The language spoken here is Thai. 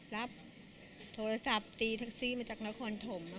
รับโทรศัพท์ตีแท็กซี่มาจากนครถม